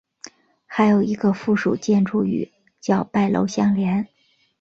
还有一个附属建筑与叫拜楼相连。